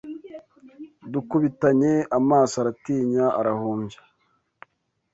Dukubitanye amaso Aratinya arahumbya